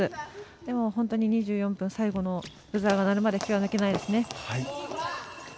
でも、本当に２４分最後のブザーが鳴るまで気が抜けないです。